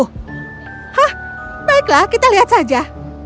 hah baiklah kita lihat saja